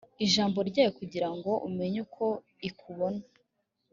ijambo ryayo kugira ngo umenye uko ikubona